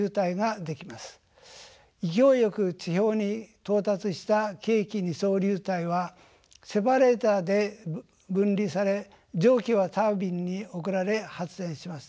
勢いよく地表に到達した気液二相流体はセパレーターで分離され蒸気はタービンに送られ発電します。